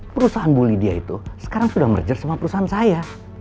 perusahaan bulidia itu sekarang sudah merger sama perusahaan saya